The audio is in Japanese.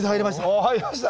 おお入りました？